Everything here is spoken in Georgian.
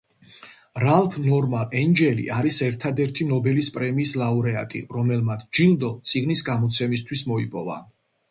რალფ ნორმან ენჯელი არის ერთადერთი ნობელის პრემიის ლაურეატი, რომელმაც ჯილდო წიგნის გამოცემისთვის მოიპოვა.